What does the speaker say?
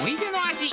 味